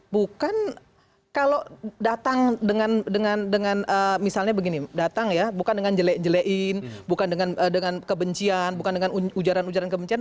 bukan kalau datang dengan misalnya begini datang ya bukan dengan jelek jelein bukan dengan kebencian bukan dengan ujaran ujaran kebencian